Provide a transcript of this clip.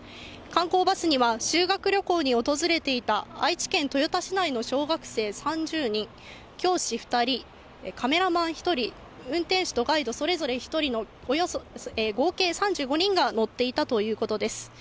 観光バスには、修学旅行に訪れていた愛知県豊田市内の小学生３０人、教師２人、カメラマン１人、運転手とガイドそれぞれ１人の合計３５人が乗っていたということです。